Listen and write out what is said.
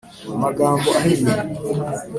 Mu magambo ahinnye